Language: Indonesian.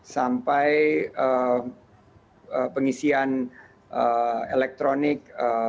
sampai pengisian elektronik